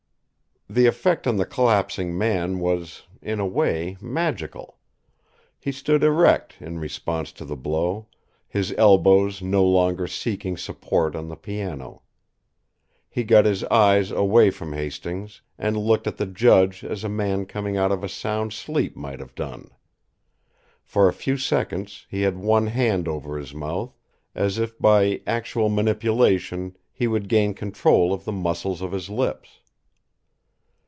The effect on the collapsing man was, in a way, magical. He stood erect in response to the blow, his elbows no longer seeking support on the piano. He got his eyes away from Hastings and looked at the judge as a man coming out of a sound sleep might have done. For a few seconds, he had one hand over his mouth, as if, by actual manipulation, he would gain control of the muscles of his lips.